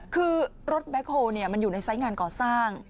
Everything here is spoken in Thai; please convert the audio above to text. คือรถแบ็คโฮลมันอยู่ในไซส์งานก่อสร้าง